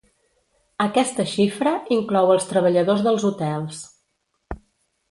Aquesta xifra inclou els treballadors dels hotels.